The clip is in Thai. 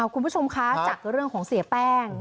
คุณผู้ชมคะจากเรื่องของเสียแป้ง